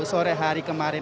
sore hari kemarin